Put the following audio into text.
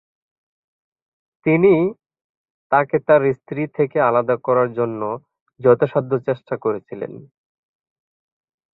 তিনি তাকে তার স্ত্রী থেকে আলাদা করার জন্য যথাসাধ্য চেষ্টা করেছিলেন।